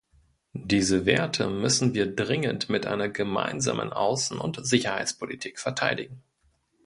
Diese Werte müssen wir dringend mit einer gemeinsamen Außen- und Sicherheitspolitik verteidigen.